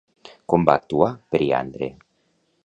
Com va actuar, Periandre?